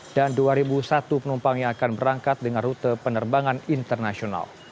ada dua delapan ratus dua puluh penumpang yang akan tiba dan dua satu penumpang yang akan berangkat dengan rute penerbangan internasional